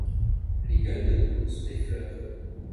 Les gueules de loup sont, des fleurs.